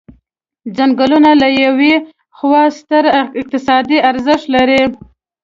څنګلونه له یوې خوا ستر اقتصادي ارزښت لري.